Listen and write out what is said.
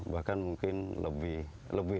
bahkan mungkin lebih